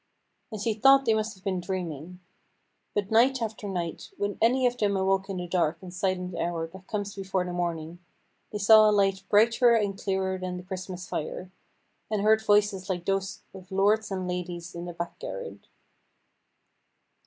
And she thought they must have been dreaming. But night after night, when any of them awoke in the dark and silent hour that comes before the morning, they saw a light brighter and clearer than the Christmas fire, and heard voices like those of lords and ladies in the back garret.